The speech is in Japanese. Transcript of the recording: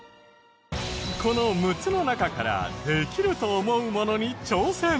この６つの中からできると思うものに挑戦！